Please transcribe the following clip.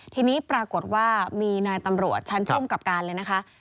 ทีนี้ปรากฏว่ามีนายตำรวจชั้นภูมิกับการเลยนะคะ